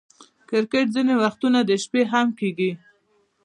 کرکټ ځیني وختونه د شپې هم کیږي.